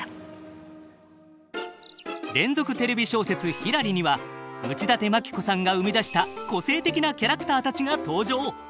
連続テレビ小説「ひらり」には内館牧子さんが生み出した個性的なキャラクターたちが登場。